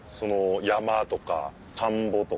山とか田んぼとか。